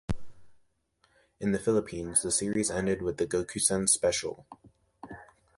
In the Philippines, the series ended with the "Gokusen" special.